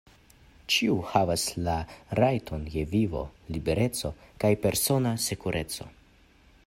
Ĉiu havas la rajtojn je vivo, libereco kaj persona sekureco.